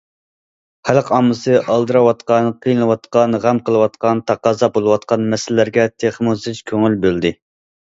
خەلق ئاممىسى ئالدىراۋاتقان، قىينىلىۋاتقان، غەم قىلىۋاتقان، تەقەززا بولۇۋاتقان مەسىلىلەرگە تېخىمۇ زىچ كۆڭۈل بۆلدى.